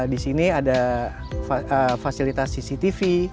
di sini ada fasilitas cctv